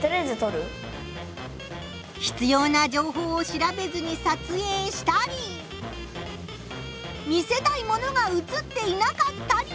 ひつような情報を調べずに撮影したり見せたいものがうつっていなかったり。